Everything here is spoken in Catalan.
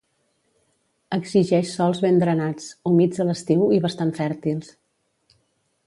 Exigeix sòls ben drenats, humits a l'estiu i bastant fèrtils.